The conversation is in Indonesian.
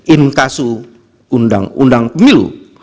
in kasu undang undang pemilu